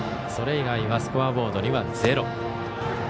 それ以外はスコアボードには０。